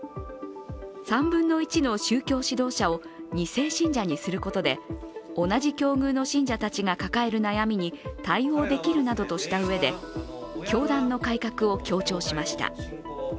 ３分の１の宗教指導者を２世信者にすることで同じ境遇の信者たちが抱える悩みに対応できるなどとしたうえで教団の改革を強調しました。